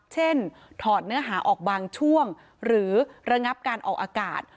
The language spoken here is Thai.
ถอดเนื้อหาออกบางช่วงหรือระงับการออกอากาศ